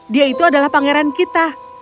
dia itu adalah pangeran kita